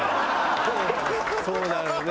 そうなのよね。